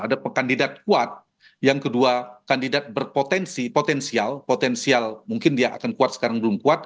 ada kandidat kuat yang kedua kandidat berpotensi potensial potensial mungkin dia akan kuat sekarang belum kuat